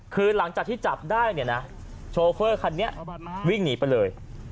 คือหลังจากที่จับได้เนี่ยนะโชเฟอร์คันนี้วิ่งหนีไปเลย